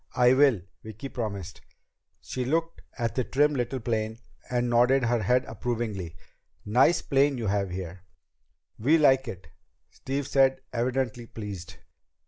"I will," Vicki promised. She looked at the trim little plane, and nodded her head approvingly. "Nice airplane you have here." "We like it," Steve said, evidently pleased.